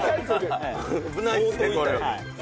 危ないですねこれ。